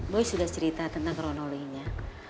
boy sudah cerita tentang kronologinya